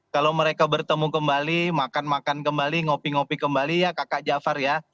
kalau mereka bertemu kembali makan makan kembali ngopi ngopi kembali ya kakak jafar ya